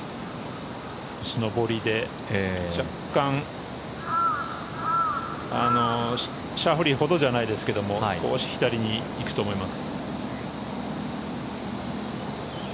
少し上りで、若干シャフリーほどじゃないですけど少し左に行くと思います。